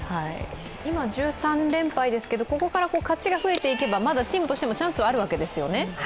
今、１３連敗ですけどここから勝ちが増えていけばまだチームとしてもチャンスはあるわけですよね。